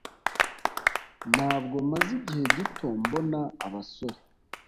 Ntabwo maze igihe gito mbona abasore